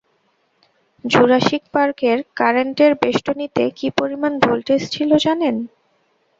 Jurassic পার্কের কারেন্টের বেষ্টনীতে কী পরিমাণ ভোল্টেজ ছিল জানেন?